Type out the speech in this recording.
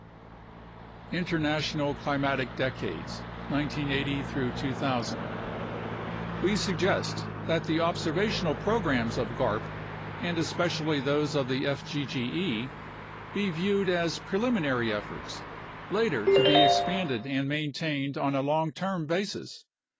International Climatic Decades (1980 2000) We suggest that the observational programs of garp, and especially those of the fgge, be viewed as preliminary efforts, later to be expanded and maintained on a long term basis.